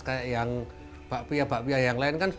kayak yang bakpia bakpia yang lain kan